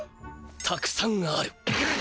たくさんある。